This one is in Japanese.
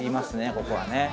ここはね。